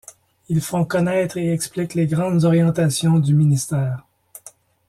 Ils font connaître et expliquent les grandes orientations du ministère.